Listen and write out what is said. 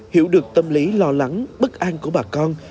hiểu được tâm lý lo lắng bất an của bà con